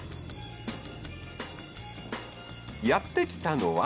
やって来たのは。